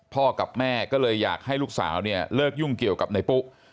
กับแม่ก็เลยอยากให้ลูกสาวเนี่ยเลิกยุ่งเกี่ยวกับในปุ๊